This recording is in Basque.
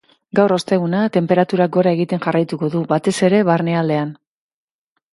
Gaur, osteguna, tenperaturak gora egiten jarraituko du, batez ere barnealdean.